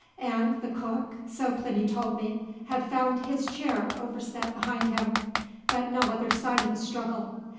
Ann the cook so Plinny told me had found his chair overset behind him, but no other sign of a struggle.